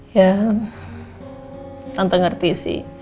ya tante ngerti sih